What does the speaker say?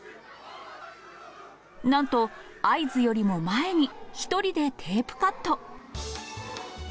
なんと、合図よりも前に、１人でテープカット。